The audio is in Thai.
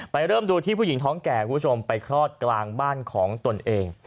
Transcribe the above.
เริ่มดูที่ผู้หญิงท้องแก่คุณผู้ชมไปคลอดกลางบ้านของตนเอง